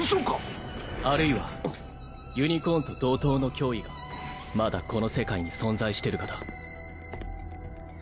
・シューンあるいはユニコーンと同等の脅威がまだこの世界に存在してるかだ。